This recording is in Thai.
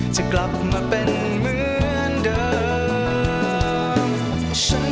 จะกลับมาเป็นเหมือนเดิม